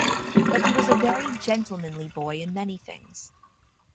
But he was a very gentlemanly boy in many things.